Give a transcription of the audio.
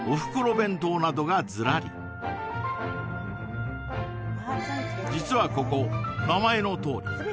弁当などがずらり実はここ名前のとおり